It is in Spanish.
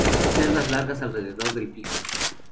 Cerdas largas alrededor del pico.